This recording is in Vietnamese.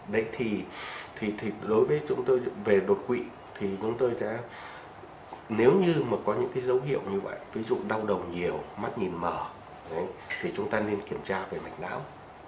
đấy thì đối với chúng tôi về đột quỵ thì chúng tôi sẽ nếu như mà có những cái dấu hiệu như vậy ví dụ đau đầu nhiều mắt nhìn mở thì chúng ta nên kiểm tra về mạch não